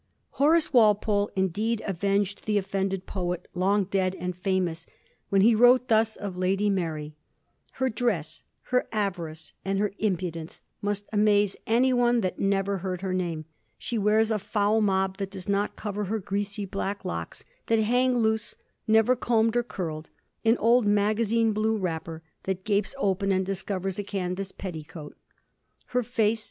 Horace Walpole indeed avenged the offended poet, long dead and famous, when he wrote thus of Lady Mary :—* Her dress, her avarice, and her impudence must amaze any one that never heard her name. She wears a foul mob that does not cover her greasy black locks, that hang loose, never combed or curled ; an old magazine blue wrapper, that gapes open and discovers a canvas petticoat. Her face